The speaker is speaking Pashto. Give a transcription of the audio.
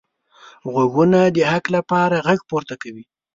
غوږونه د حق لپاره غږ پورته کوي